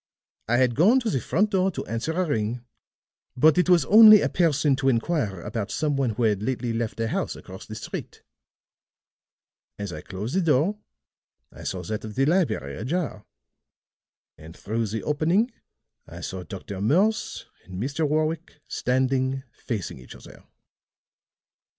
I had gone to the front door to answer a ring, but it was only a person to inquire about some one who had lately left a house across the street. As I closed the door, I saw that of the library ajar; and through the opening I saw Dr. Morse and Mr. Warwick standing facing each other.